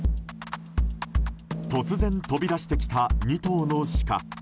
突然飛び出してきた２頭のシカ。